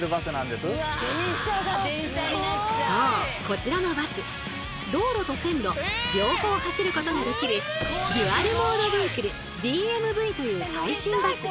こちらのバス道路と線路両方走ることができるデュアル・モード・ビークルＤＭＶという最新バス！